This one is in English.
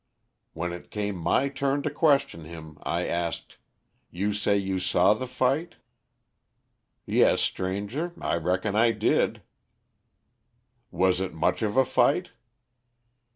When it came my turn to question him, I asked: 'You say you saw the fight?' 'Yes, stranger, I reckon I did'. 'Was it much of a fight?